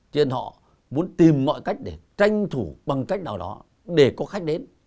chuyên họ muốn tìm mọi cách để tranh thủ bằng cách nào đó để có khách đến